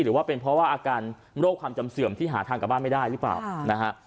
หรือว่าเป็นเพราะว่าอาการโรคความจำเสื่อมที่หาทางกลับบ้านไม่ได้หรือเปล่านะฮะ